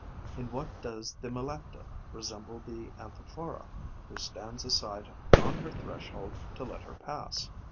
In what does the Melecta resemble the Anthophora, who stands aside on her threshold to let her pass?